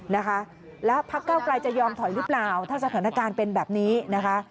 นะคะแล้วพักเก้าไกลจะยอมถอยหรือเปล่าถ้าสถานการณ์เป็นแบบนี้นะคะ